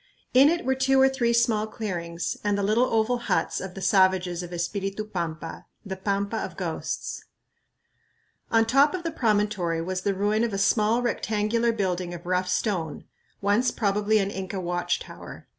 In it were two or three small clearings and the little oval huts of the savages of Espiritu Pampa, the "Pampa of Ghosts." On top of the promontory was the ruin of a small, rectangular building of rough stone, once probably an Inca watch tower.